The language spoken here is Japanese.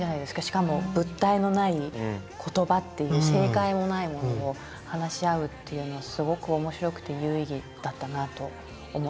しかも物体のない言葉っていう正解もないものを話し合うっていうのすごく面白くて有意義だったなあと思って。